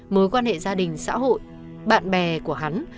mối quan hệ gia đình xã hội bạn bè của hắn